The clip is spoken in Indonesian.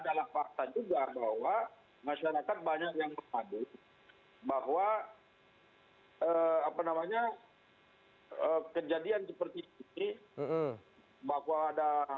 dan adalah fakta juga bahwa masyarakat banyak yang menghadir